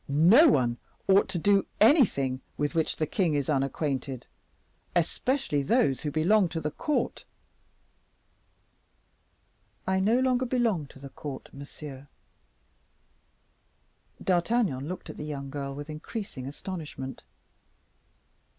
No one ought to do anything with which the king is unacquainted, especially those who belong to the court." "I no longer belong to the court, monsieur." D'Artagnan looked at the young girl with increasing astonishment.